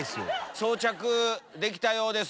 装着できたようです。